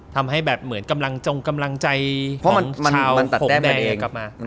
ทำให้แบบเหมือนกำลังจงกำลังใจของชาวโหงแดงกลับมา